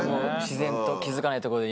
自然と気付かないとこで。